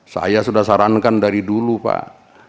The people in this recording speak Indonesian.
saya sudah sarankan dari dulu pak